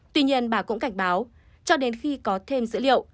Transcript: tuy nhiên bà cũng cảnh báo cho đến khi có thêm dữ liệu